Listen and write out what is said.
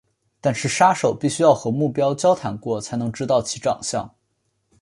但是杀手必须要和目标交谈过才能知道其长相。